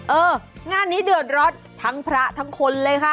เอองานนี้เดือดร้อนทั้งพระทั้งคนเลยค่ะ